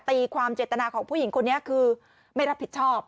ตีความเจตนาของผู้หญิงคนนี้คือไม่รับผิดชอบ